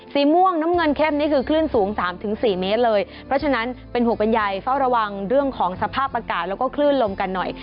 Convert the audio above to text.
สีม่วงน้ำเงินเข้มนี่คือคลื่นสูงสามถึงสี่เมตรเลยเพราะฉะนั้นเป็นห่วงเป็นใยเฝ้าระวังเรื่องของสภาพอากาศแล้วก็คลื่นลมกันหน่อย